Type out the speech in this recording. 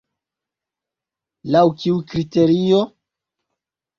Laŭ kiu kriterio?